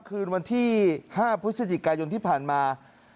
คืนวันที่๕พฤศจิกายนที่ผ่านมา